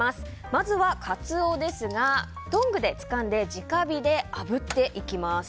まずはカツオですがトングでつかんで直火であぶっていきます。